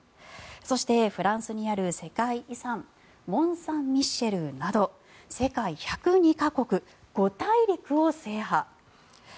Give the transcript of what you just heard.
そして、フランスにある世界遺産モンサンミッシェルなど世界１０２か国、５大陸を制覇。